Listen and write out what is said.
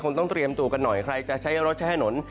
ต้องเตรียมตัวกันหน่อยใครจะใช้รถใช้ถนน